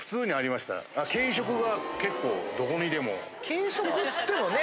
軽食つってもね。